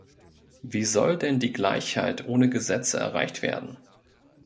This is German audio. Wie soll denn die Gleichheit ohne Gesetze erreicht werden?